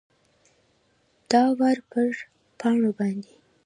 داور پر پاڼو باندي ،